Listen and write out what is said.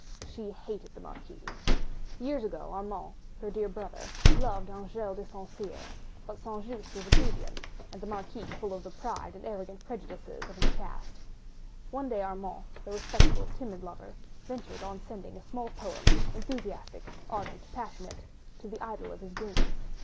She hated the Marquis. Years ago, Armand, her dear brother, had loved Angèle de St. Cyr, but St. Just was a plebeian, and the Marquis full of the pride and arrogant prejudices of his caste. One day Armand, the respectful, timid lover, ventured on sending a small poem—enthusiastic, ardent, passionate—to the idol of his dreams.